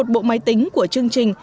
một mươi một bộ máy tính của chương trình